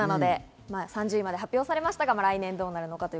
３０位まで発表されましたが、来年はどうなるのかと。